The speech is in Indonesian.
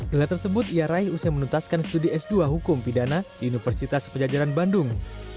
gelar tersebut ia raih usia menutaskan studi s dua hukum pidana di universitas penjajaran bandung